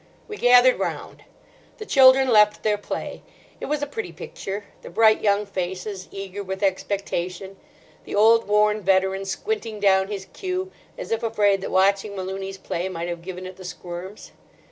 We gathered round. The children left their play. It was a pretty picture: the bright young faces, eager with expectation, the old worn veteran squinting down his cue, as if afraid that watching Malooney's play might have given it the squirms.